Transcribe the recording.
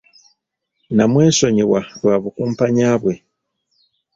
Namwesonyiwa lwa bukumpanya bwe.